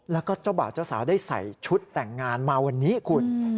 แล้วก็เจ้าบ่าวเจ้าสาวได้ใส่ชุดแต่งงานมาวันนี้คุณ